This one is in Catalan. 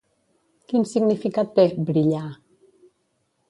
Quin significat té "brillar"?